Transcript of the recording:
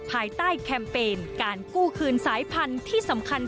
ภายใต้แคมเปญการกู้คืนสายพันธุ์ที่สำคัญ